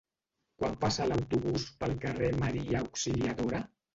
Quan passa l'autobús pel carrer Maria Auxiliadora?